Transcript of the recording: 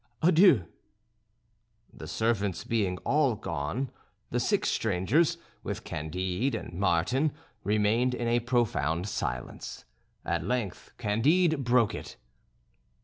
Adieu." The servants being all gone, the six strangers, with Candide and Martin, remained in a profound silence. At length Candide broke it.